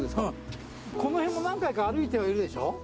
この辺も何回か歩いてはいるでしょ？